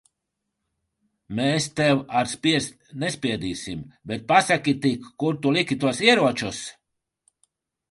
Mēs tev ar spiest nespiedīsim. Bet pasaki tik, kur tu liki tos ieročus?